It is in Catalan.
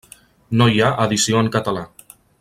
No hi ha edició en català.